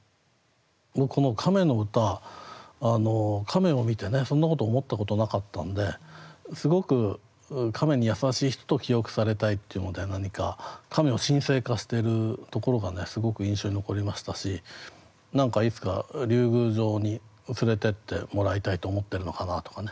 僕この亀の歌亀を見てねそんなこと思ったことなかったんですごく「亀に優しい人と記憶されたい」っていうので何か亀を神聖化しているところがねすごく印象に残りましたし何かいつか竜宮城に連れてってもらいたいと思ってるのかなとかね